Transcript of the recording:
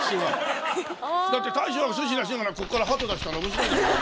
だって大将が寿司出しながらここからハト出したら面白いじゃん。